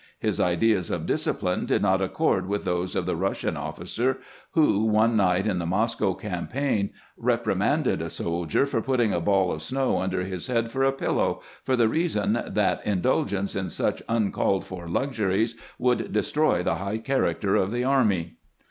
His ideas of discipline did not accord with those of the Russian officer who, one night in the Moscow campaign, reprimanded a soldier for putting a ball of snow under his head for a pillow, for the reason that indulgence in such uncalled for lux uries would destroy the high character of the army.